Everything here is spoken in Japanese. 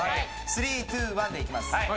３２１でいきます。